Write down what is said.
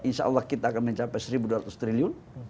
insya allah kita akan mencapai seribu dua ratus triliun